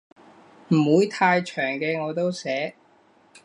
唔會太長嘅我都寫